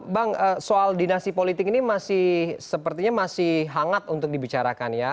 bang soal dinasti politik ini masih sepertinya masih hangat untuk dibicarakan ya